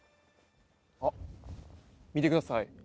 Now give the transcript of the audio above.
あっ、見てください。